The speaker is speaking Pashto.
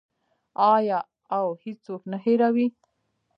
آیا او هیڅوک نه هیروي؟